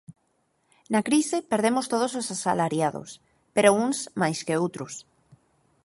Na crise perdemos todos os asalariados, pero uns máis que outros.